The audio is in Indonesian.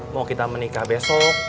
mau kita menikah besok